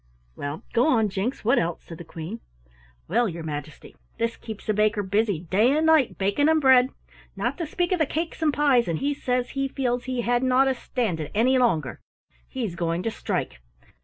"Well, go on, Jinks, what else?" said the Queen. "Well, your Majesty, this keeps the baker busy day and night baking 'em bread, not to speak of the cakes and pies, and he says he feels he hadn't orter stand it any longer. He's going to strike.